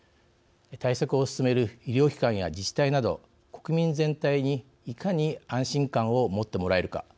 対策を進める医療機関や自治体など国民全体にいかに安心感を持ってもらえるか。